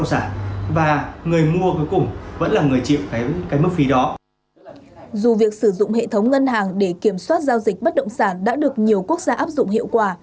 dù việc sử dụng hệ thống ngân hàng để kiểm soát giao dịch bất động sản đã được nhiều quốc gia áp dụng hiệu quả